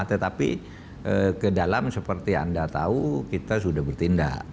tetapi ke dalam seperti anda tahu kita sudah bertindak